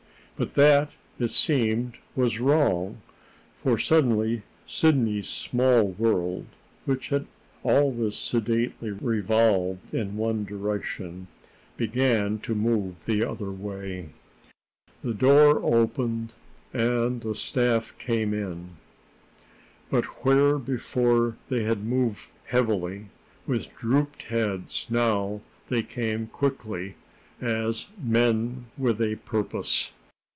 But that, it seemed, was wrong. For suddenly Sidney's small world, which had always sedately revolved in one direction, began to move the other way. The door opened, and the staff came in. But where before they had moved heavily, with drooped heads, now they came quickly, as men with a purpose.